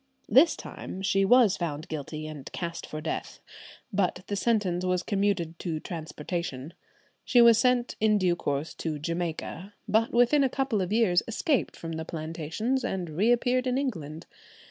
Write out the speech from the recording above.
This time she was found guilty and cast for death, but the sentence was commuted to transportation. She was sent in due course to Jamaica, but within a couple of years escaped from the plantations, and reappeared in England.